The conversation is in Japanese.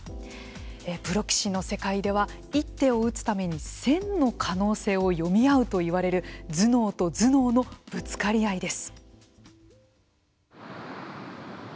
プロ棋士の世界では一手を打つために１０００の可能性を読み合うといわれる頭脳と頭脳のぶつかり合いです。